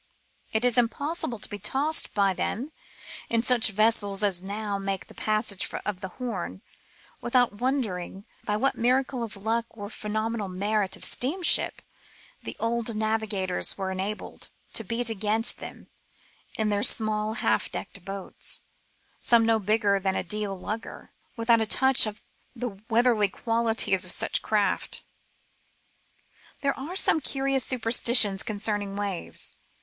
It is impossible to be tossed by them in such vessels as now make the passage of the Horn, without wondering by what miracle of luck or phenome nal merit of seamanship the old navigators were enabled to beat against them in their small half decked boats, some no bigger than a Deal lugger, without a touch of the weatherly qualities of such craft. There are some curious superstitions concerning waves.